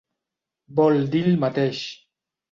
Vol dir el mateix.